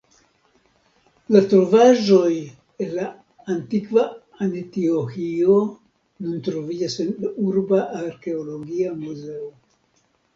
La trovaĵoj el la antikva Antioĥio nun troviĝas en urba arkeologia muzeo.